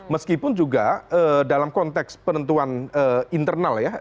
meskipun juga dalam konteks penentuan internal ya